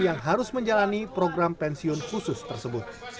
yang harus menjalani program pensiun khusus tersebut